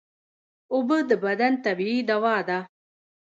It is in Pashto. اوبه د بدن طبیعي دوا ده